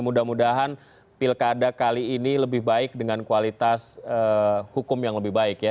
mudah mudahan pilkada kali ini lebih baik dengan kualitas hukum yang lebih baik ya